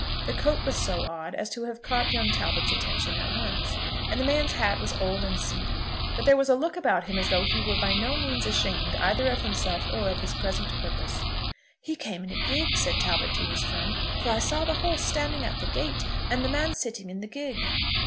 The coat was so odd as to have caught young Talbot's attention at once. And the man's hat was old and seedy. But there was a look about him as though he were by no means ashamed either of himself or of his present purpose. "He came in a gig," said Talbot to his friend; "for I saw the horse standing at the gate, and the man sitting in the gig."